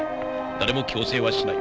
誰も強制はしない。